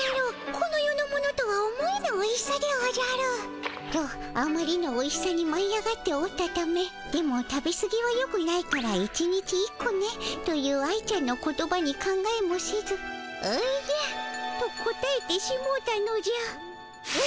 この世のものとは思えぬおいしさでおじゃる。とあまりのおいしさにまい上がっておったため「でも食べすぎはよくないから１日１個ね」という愛ちゃんの言葉に考えもせず「おじゃ」と答えてしもうたのじゃ。